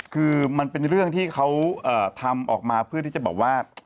คือมันเป็นเรื่องที่เขาทำออกมาเพื่อที่จะบอกว่า